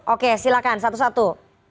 oke silahkan satu satu